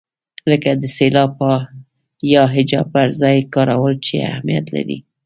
لکه د سېلاب یا هجا پر ځای کارول چې اهمیت لري.